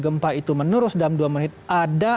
gempa itu menerus dalam dua menit ada